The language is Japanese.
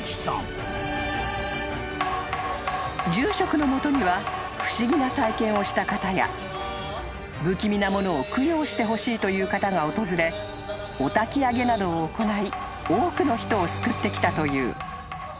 ［住職の元には不思議な体験をした方や不気味なものを供養してほしいという方が訪れおたき上げなどを行い多くの人を救ってきたという］